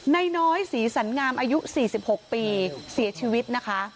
น้อยศรีสันงามอายุ๔๖ปีเสียชีวิตนะคะ